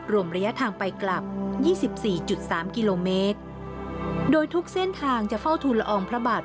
รวมระยะทางไปกลับยี่สิบสี่จุดสามกิโลเมตรโดยทุกเส้นทางจะเฝ้าทุนละอองพระบาท